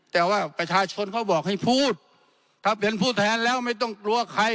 แต่ว่าประชาชนเขาบอกให้พูดถ้าเป็นผู้แทนแล้วไม่ต้องกลัวใคร